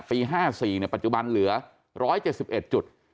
ปี๕๔ปัจจุบันเหลือ๑๗๑จุด